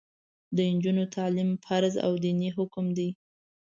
د نجونو تعلیم فرض او دیني حکم دی.